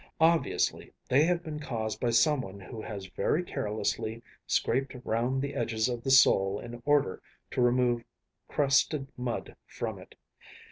Obviously they have been caused by someone who has very carelessly scraped round the edges of the sole in order to remove crusted mud from it.